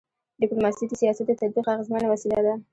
ډيپلوماسي د سیاست د تطبیق اغيزمنه وسیله ده.